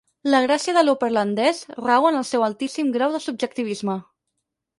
La gràcia de l'opperlandès rau en el seu altíssim grau de subjectivisme.